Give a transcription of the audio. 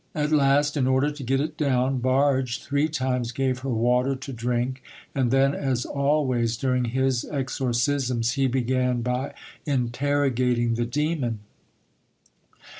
At last, in order to get it down, Barge three times gave her water to drink; and then, as always during his exorcisms, he began by interrogating the demon.